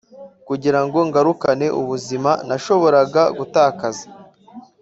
kugirango ngarukane ubuzima nashoboraga gutakaza